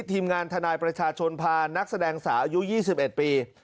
ทีมงานทนายประชาชนพานักแสดงสาวอายุ๒๑ปี